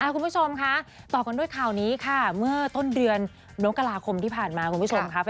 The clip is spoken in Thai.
คุณผู้ชมค่ะต่อกันด้วยข่าวนี้ค่ะเมื่อต้นเดือนนกราคมที่ผ่านมาคุณผู้ชมค่ะ